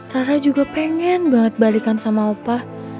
rara juga pengen banget balikan sama opa